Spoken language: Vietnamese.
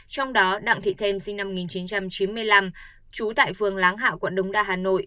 trong đó đặng thị thêm sinh năm một nghìn chín trăm chín mươi năm chú tại phương láng hảo quận đống đa hà nội